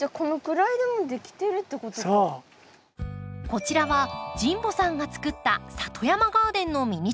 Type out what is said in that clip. こちらは神保さんが作った里山ガーデンのミニチュア版。